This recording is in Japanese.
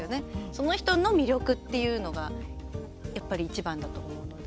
その人の魅力っていうのがやっぱり、いちばんだと思うので。